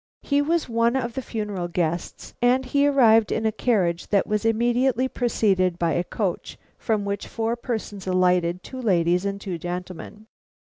He was one of the funeral guests, and he arrived in a carriage that was immediately preceded by a coach from which four persons alighted, two ladies and two gentlemen."